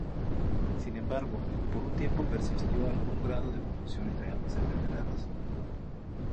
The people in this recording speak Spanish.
Sin embargo, por un tiempo persistió algún grado de confusión entre ambas enfermedades.